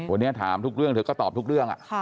วันนี้ถามทุกเรื่องเธอก็ตอบทุกเรื่อง